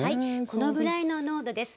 このぐらいの濃度です。